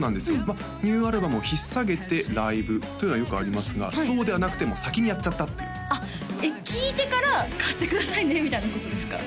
まあニューアルバムを引っ提げてライブというのはよくありますがそうではなくてもう先にやっちゃったっていう聴いてから買ってくださいねみたいなことですか？